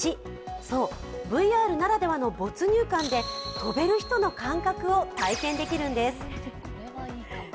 そう、ＶＲならではの没入感で跳べる人の感覚を体験できるのです。